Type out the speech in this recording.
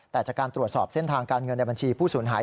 แต่จากการตรวจสอบเส้นทางการเงินในบัญชีผู้สูญหาย